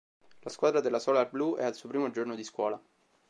La squadra della Solar Blue è al suo primo giorno di scuola.